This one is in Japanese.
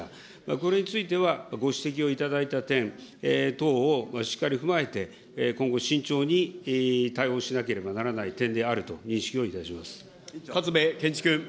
これについてはご指摘をいただいた点等をしっかり踏まえて、今後慎重に対応しなければならない点であると認識をいたします。